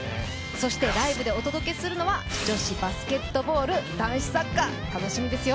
そしてライブでお届けするのは女子バスケットボール、男子サッカー、楽しみですよ。